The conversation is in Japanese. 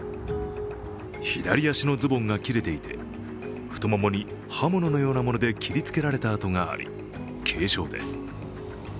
左足のズボンが切れていて、太ももに刃物のようなもので切りつけられた痕があり軽傷です。